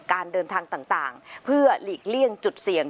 การเดินทางต่างเพื่อหลีกเลี่ยงจุดเสี่ยง